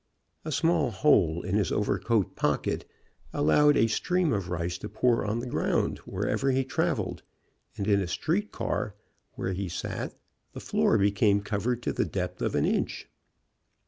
A small hole in his overcoat pocket allowed a stream of rice to pour on the ground wherever he traveled, and in a street car where he sat trie floor became covered to the depth of an inch.